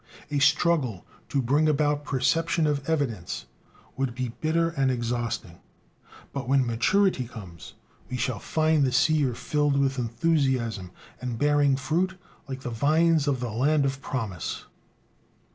A struggle "to bring about perception of evidence" would be bitter and exhausting. But when maturity comes, we shall find the seer filled with enthusiasm, and bearing fruit like the vines of the Land of Promise.